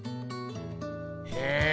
へえ。